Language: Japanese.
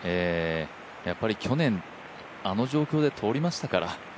やっぱり去年、あの状況で通りましたから。